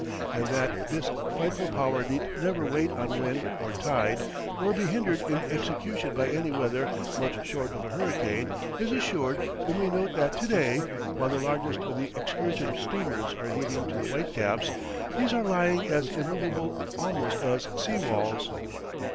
And that this frightful power need never wait on wind or tide, nor be hindered in execution by any weather much short of a hurricane, is assured when we note that to day, while the largest of the excursion steamers are heaving to the whitecaps, these are lying as immovable almost as sea walls.